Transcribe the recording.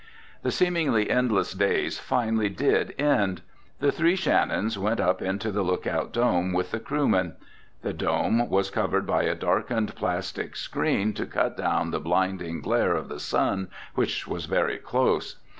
The seemingly endless days finally did end. The three Shannons went up into the lookout dome with the crewmen. The dome was covered by a darkened plastic screen to cut down the blinding glare of the sun, which was very close.